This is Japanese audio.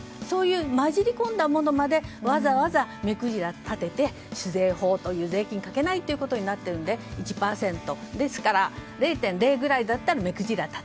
そういう混じったものまでわざわざ目くじら立てて酒税法という税金かけないということになっているので１％、ですから０．００ぐらいだったら目くじら